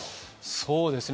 そうですね。